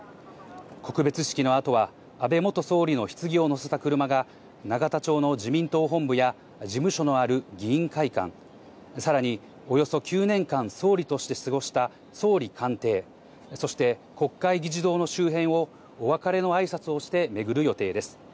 告別式の後は安倍元総理の棺を乗せた車が永田町の自民党本部や事務所のある議員会館、さらにおよそ９年間総理として過ごした総理官邸、そして、国会議事堂の周辺をお別れの挨拶をして巡る予定です。